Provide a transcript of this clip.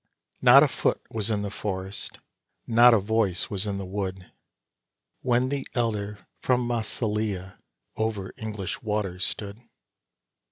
Not a foot was in the forest, not a voice was in the wood, When the elder from Massilia over English waters stood.